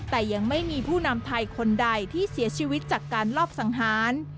แต่ยังไม่มีผู้นำไทยคนใดที่เสียชีวิตจากการลอบสังหาร